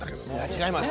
違います。